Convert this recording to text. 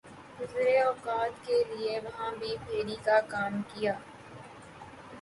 گزر اوقات کیلئے وہاں بھی پھیر ی کاکام کیا۔